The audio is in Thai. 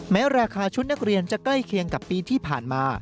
ราคาชุดนักเรียนจะใกล้เคียงกับปีที่ผ่านมา